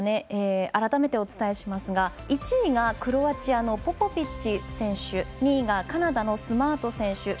改めて、お伝えしますが１位がクロアチアのポポビッチ選手２位がカナダのスマート選手。